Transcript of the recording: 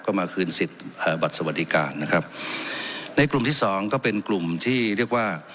ก็มาคืนสิทธิ์บัตรสวัสดิการนะครับในกลุ่มที่สองก็เป็นกลุ่มที่เรียกว่า